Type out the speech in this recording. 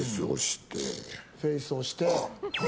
フェイスを押して。